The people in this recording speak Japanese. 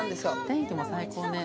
天気も最高ね